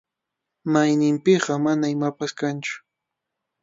Mayninpiqa mana imapas kanchu.